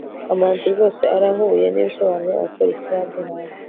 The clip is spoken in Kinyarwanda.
kamanzi rwose arahuye nibisobanuro abapolisi baduhaye